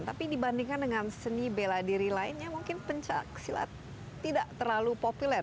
tapi dibandingkan dengan seni bela diri lainnya mungkin pencaksilat tidak terlalu populer